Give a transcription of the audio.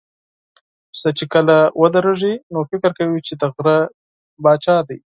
پسه چې کله ودرېږي، نو فکر کوي چې د غره پاچا دی.